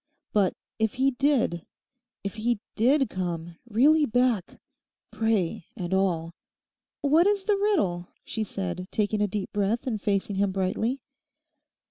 But if he did, if he did, come really back: "prey" and all?' 'What is the riddle?' she said, taking a deep breath and facing him brightly.